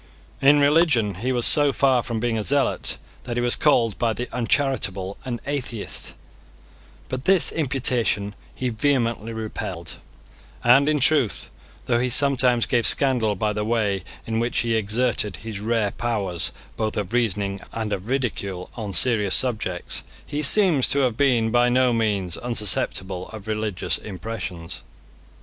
In religion he was so far from being a zealot that he was called by the uncharitable an atheist: but this imputation he vehemently repelled; and in truth, though he sometimes gave scandal by the way in which he exerted his rare powers both of reasoning and of ridicule on serious subjects, he seems to have been by no means unsusceptible of religious impressions.